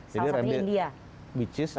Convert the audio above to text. salah satunya india